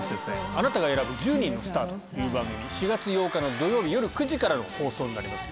『あなたが選ぶ１０人のスター』という番組４月８日の土曜日夜９時からの放送になります。